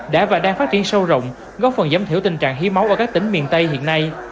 đã và đang phát triển sâu rộng góp phần giảm thiểu tình trạng hiến máu ở các tỉnh miền tây hiện nay